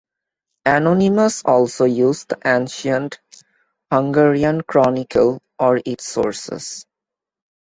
Anonymus also used the ancient "Hungarian Chronicle" or its sources.